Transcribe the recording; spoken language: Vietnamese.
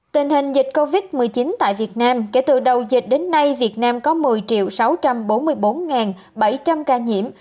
tình hình dịch covid một mươi chín tại việt nam kể từ đầu dịch đến nay việt nam có một mươi sáu trăm bốn mươi bốn bảy trăm linh ca nhiễm